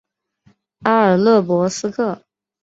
阿尔勒博斯克。